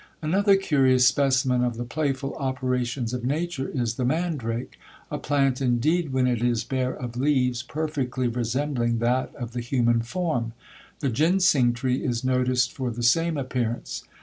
Another curious specimen of the playful operations of nature is the mandrake; a plant, indeed, when it is bare of leaves, perfectly resembling that of the human form. The ginseng tree is noticed for the same appearance.